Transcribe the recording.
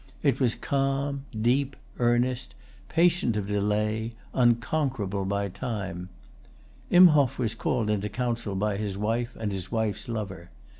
It was calm, deep, earnest, patient of delay, unconquerable by time. Imhoff was called into council by his wife and his wife's lover.